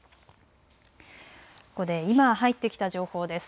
ここで今入ってきた情報です。